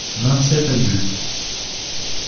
Vingt-sept adultes.